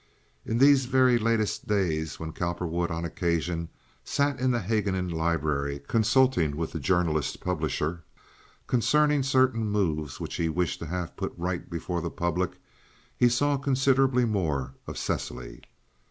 In these very latest days when Cowperwood on occasion sat in the Haguenin library consulting with the journalist publisher concerning certain moves which he wished to have put right before the public he saw considerably more of Cecily.